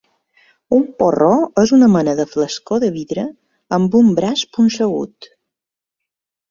Un porró és una mena de flascó de vidre amb un braç punxegut